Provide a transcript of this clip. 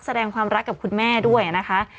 แสดงความรักกับคุณแม่ด้วยนะคะ